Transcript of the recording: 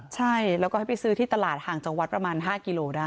ใช่แล้วก็ให้ไปซื้อที่ตลาดห่างจังหวัดประมาณ๕กิโลได้